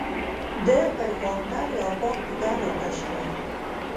ده پر کاونټر یو پاک ټوکر راکش کړ.